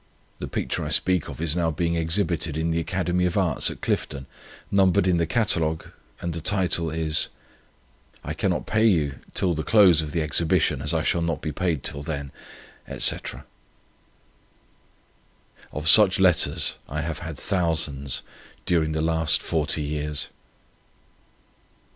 The picture I speak of is now being exhibited in the academy of arts at Clifton, numbered in the Catalogue , the title is . I cannot pay you till the close of the exhibition, as I shall not be paid till then, &c.' Of such letters I have had thousands during the last 40 years."